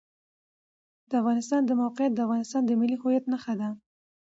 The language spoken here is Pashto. د افغانستان د موقعیت د افغانستان د ملي هویت نښه ده.